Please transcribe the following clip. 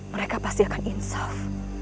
mereka pasti akan insaf